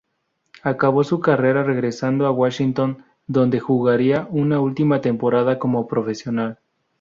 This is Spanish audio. Acabó su carrera regresando a Washington, donde jugaría una última temporada como profesional.